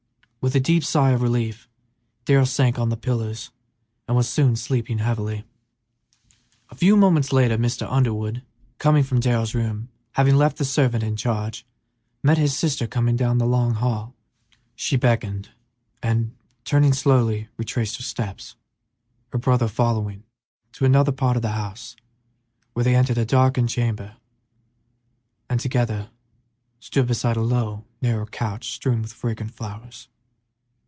With a deep sigh of relief Darrell sank on the pillows, and was soon sleeping heavily. A few moments later Mr. Underwood, coming from Darrell's room, having left the servant in charge, met his sister coming down the long hall. She beckoned, and, turning, slowly retraced her steps, her brother following, to another part of the house, where they entered a darkened chamber and together stood beside a low, narrow couch strewn with fragrant flowers.